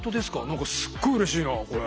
何かすっごいうれしいなこれ。